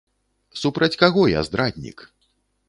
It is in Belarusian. Супраць каго я здраднік?!